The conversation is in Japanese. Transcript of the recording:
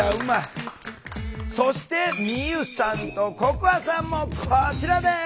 そしてミユさんとココアさんもこちらです！